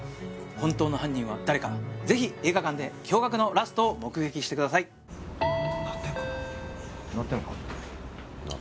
本当の犯人は誰かぜひ映画館で驚がくのラストを目撃してください鳴ってんのかな？